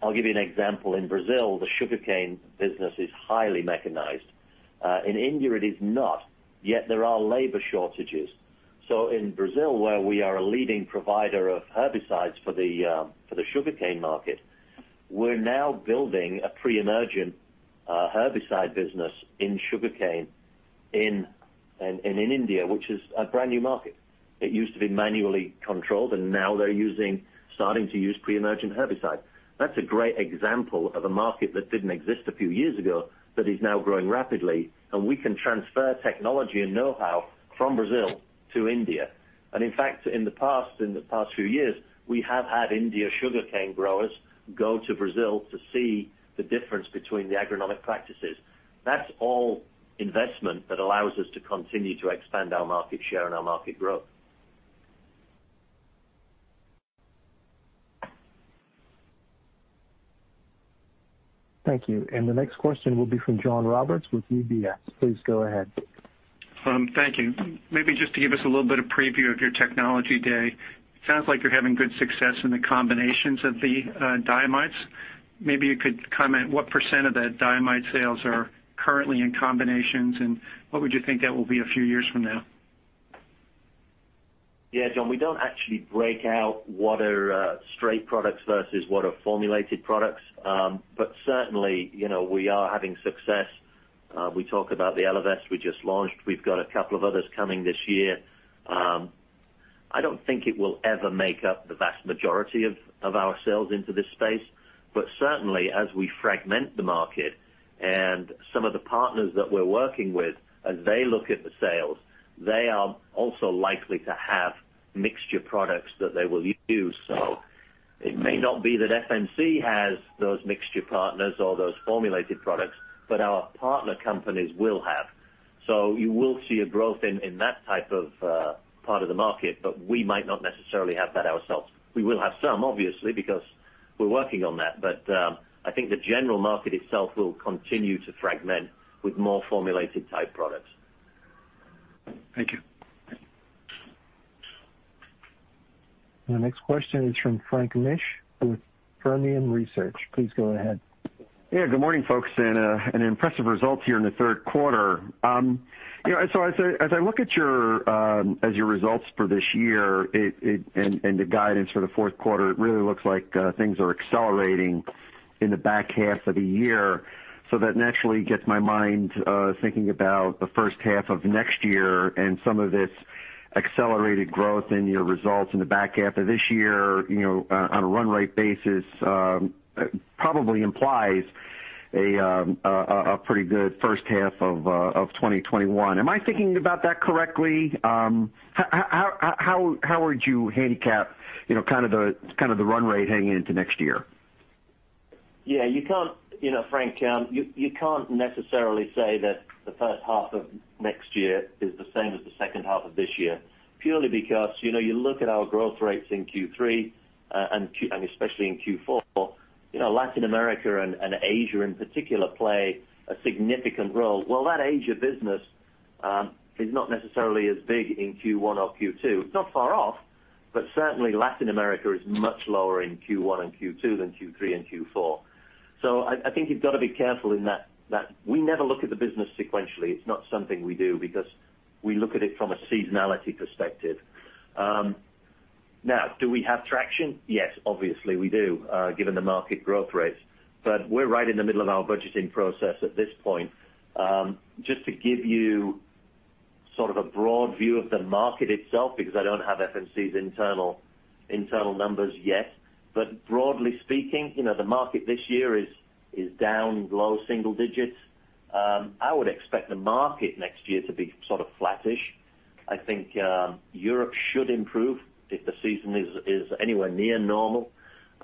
I'll give you an example. In Brazil, the sugarcane business is highly mechanized. In India it is not, yet there are labor shortages. In Brazil, where we are a leading provider of herbicides for the sugarcane market, we're now building a pre-emergent herbicide business in sugarcane and in India, which is a brand-new market. It used to be manually controlled, and now they're starting to use pre-emergent herbicides. That's a great example of a market that didn't exist a few years ago, that is now growing rapidly, and we can transfer technology and know-how from Brazil to India. In fact, in the past few years, we have had Indian sugarcane growers go to Brazil to see the difference between the agronomic practices. That's all investment that allows us to continue to expand our market share and our market growth. Thank you. The next question will be from John Roberts with UBS. Please go ahead. Thank you. To give us a little bit of preview of your Technology Day. It sounds like you're having good success in the combinations of the diamides. Could you comment what percent of the diamide sales are currently in combinations, and what would you think that will be a few years from now? Yeah, John, we don't actually break out what are straight products versus what are formulated products. Certainly, we are having success. We talk about the Elevest we just launched. We've got a couple of others coming this year. I don't think it will ever make up the vast majority of our sales into this space, but certainly as we fragment the market and some of the partners that we're working with, as they look at the sales, they are also likely to have mixture products that they will use. It may not be that FMC has those mixture partners or those formulated products, but our partner companies will have. You will see a growth in that type of part of the market, but we might not necessarily have that ourselves. We will have some, obviously, because we're working on that. I think the general market itself will continue to fragment with more formulated type products. Thank you. The next question is from Frank Mitsch with Fermium Research. Please go ahead. Good morning, folks, impressive results here in the third quarter. As I look at your results for this year and the guidance for the fourth quarter, it really looks like things are accelerating in the back half of the year. That naturally gets my mind thinking about the first half of next year and some of this accelerated growth in your results in the back half of this year, on a run rate basis, probably implies a pretty good first half of 2021. Am I thinking about that correctly? How would you handicap the run rate hanging into next year? Yeah, Frank, you can't necessarily say that the first half of next year is the same as the second half of this year, purely because you look at our growth rates in Q3 and especially in Q4, Latin America and Asia in particular play a significant role. Well, that Asia business is not necessarily as big in Q1 or Q2. It's not far off, but certainly Latin America is much lower in Q1 and Q2 than Q3 and Q4. I think you've got to be careful in that we never look at the business sequentially. It's not something we do because we look at it from a seasonality perspective. Now, do we have traction? Yes, obviously we do, given the market growth rates, but we're right in the middle of our budgeting process at this point. Just to give you sort of a broad view of the market itself, because I don't have FMC's internal numbers yet. Broadly speaking, the market this year is down low single digits. I would expect the market next year to be sort of flattish. I think Europe should improve if the season is anywhere near normal.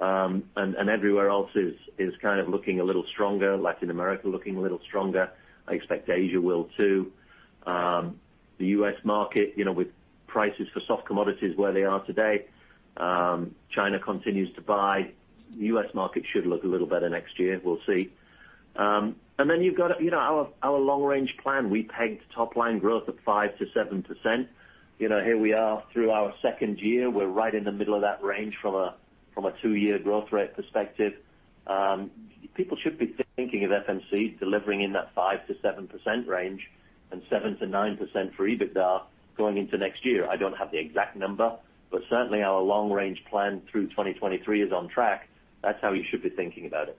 Everywhere else is kind of looking a little stronger. Latin America looking a little stronger. I expect Asia will, too. The U.S. market, with prices for soft commodities where they are today, China continues to buy. The U.S. market should look a little better next year. We'll see. You've got our long-range plan. We pegged top line growth of 5%-7%. Here we are through our second year. We're right in the middle of that range from a two-year growth rate perspective. People should be thinking of FMC delivering in that 5%-7% range and 7%-9% for EBITDA going into next year. I don't have the exact number, but certainly our long-range plan through 2023 is on track. That's how you should be thinking about it.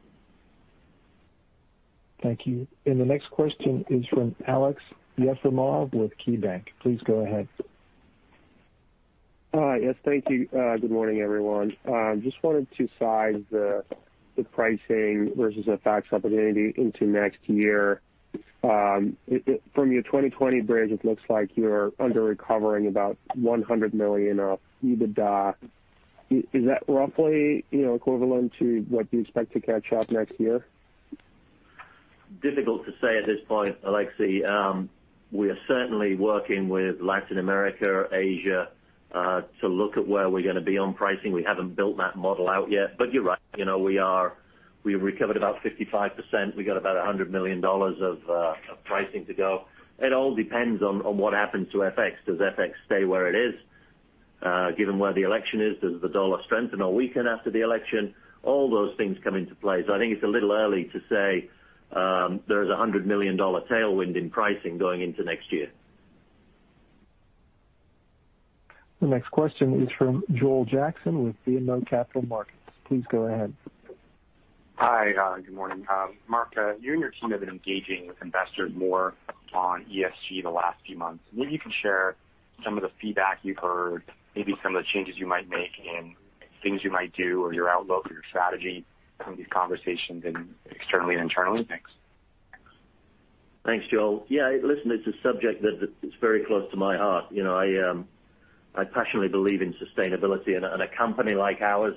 Thank you. The next question is from Aleksey Yefremov with KeyBanc. Please go ahead. Hi. Yes, thank you. Good morning, everyone. I just wanted to size the pricing versus the FX opportunity into next year. From your 2020 bridge, it looks like you're under recovering about $100 million of EBITDA Is that roughly equivalent to what you expect to catch up next year? Difficult to say at this point, Aleksey. We are certainly working with Latin America, Asia, to look at where we're going to be on pricing. We haven't built that model out yet. You're right, we've recovered about 55%. We got about $100 million of pricing to go. It all depends on what happens to FX. Does FX stay where it is? Given where the election is, does the dollar strengthen or weaken after the election? All those things come into play, I think it's a little early to say there is a $100 million tailwind in pricing going into next year. The next question is from Joel Jackson with BMO Capital Markets. Please go ahead. Hi, good morning. Mark, you and your team have been engaging with investors more on ESG the last few months. Maybe you can share some of the feedback you've heard, maybe some of the changes you might make and things you might do, or your outlook or your strategy from these conversations externally and internally? Thanks. Thanks, Joel. Listen, it's a subject that is very close to my heart. I passionately believe in sustainability, and a company like ours,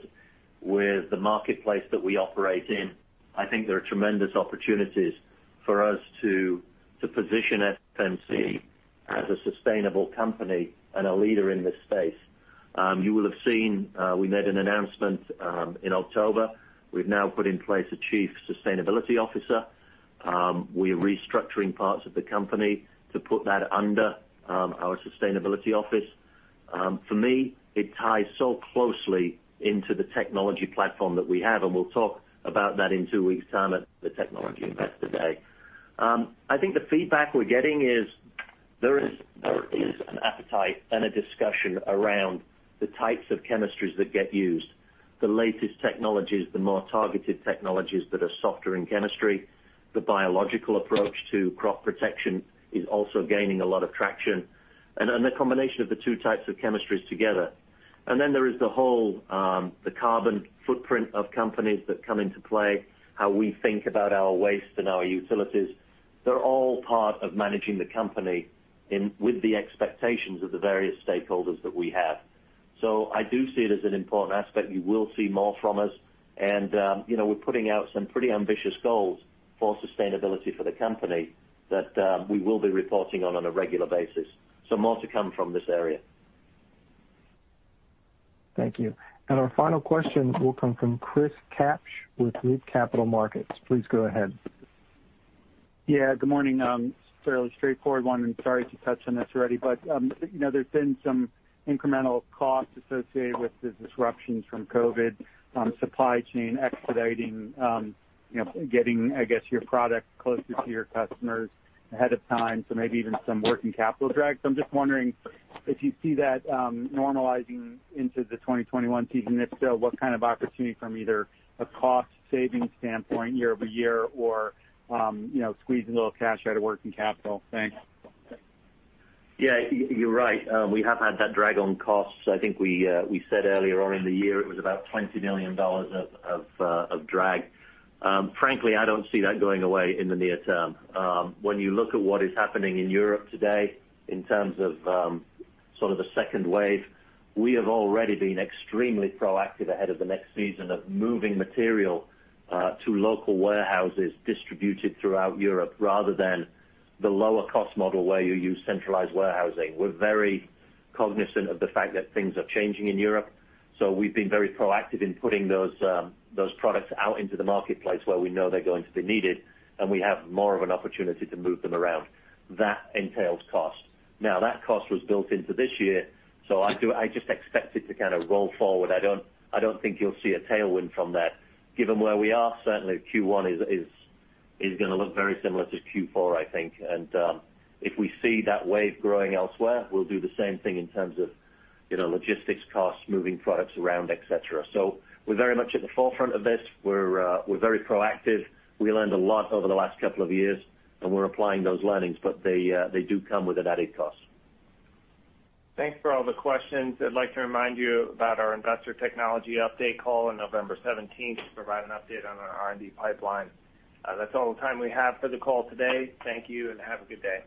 with the marketplace that we operate in, I think there are tremendous opportunities for us to position FMC as a sustainable company and a leader in this space. You will have seen we made an announcement in October. We've now put in place a Chief Sustainability Officer. We're restructuring parts of the company to put that under our sustainability office. For me, it ties so closely into the technology platform that we have, and we'll talk about that in two weeks' time at the Technology Investor Day. I think the feedback we're getting is there is an appetite and a discussion around the types of chemistries that get used, the latest technologies, the more targeted technologies that are softer in chemistry. The biological approach to crop protection is also gaining a lot of traction, and the combination of the two types of chemistries together. There is the whole carbon footprint of companies that come into play, how we think about our waste and our utilities. They're all part of managing the company with the expectations of the various stakeholders that we have. I do see it as an important aspect. You will see more from us, and we're putting out some pretty ambitious goals for sustainability for the company that we will be reporting on a regular basis. More to come from this area. Thank you. Our final question will come from Chris Kapsch with Loop Capital Markets. Please go ahead. Yeah, good morning. Fairly straightforward one, and sorry if you touched on this already, but there's been some incremental costs associated with the disruptions from COVID, supply chain expediting, getting, I guess, your product closer to your customers ahead of time, so maybe even some working capital drag. I'm just wondering if you see that normalizing into the 2021 season. If so, what kind of opportunity from either a cost-saving standpoint year-over-year or squeezing a little cash out of working capital? Thanks. Yeah, you're right. We have had that drag on costs. I think we said earlier on in the year it was about $20 million of drag. Frankly, I don't see that going away in the near term. When you look at what is happening in Europe today in terms of sort of a second wave, we have already been extremely proactive ahead of the next season of moving material to local warehouses distributed throughout Europe rather than the lower cost model where you use centralized warehousing. We're very cognizant of the fact that things are changing in Europe, so we've been very proactive in putting those products out into the marketplace where we know they're going to be needed, and we have more of an opportunity to move them around. That entails cost. That cost was built into this year, so I just expect it to kind of roll forward. I don't think you'll see a tailwind from that. Given where we are, certainly Q1 is going to look very similar to Q4, I think. If we see that wave growing elsewhere, we'll do the same thing in terms of logistics costs, moving products around, et cetera. We're very much at the forefront of this. We're very proactive. We learned a lot over the last couple of years, and we're applying those learnings, but they do come with an added cost. Thanks for all the questions. I'd like to remind you about our investor technology update call on November 17th to provide an update on our R&D pipeline. That's all the time we have for the call today. Thank you, and have a good day.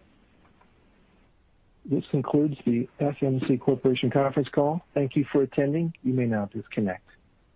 This concludes the FMC Corporation conference call. Thank you for attending. You may now disconnect.